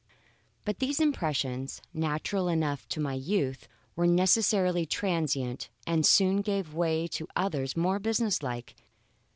But these impressions, natural enough to my youth, were necessarily transient, and soon gave way to others more business like.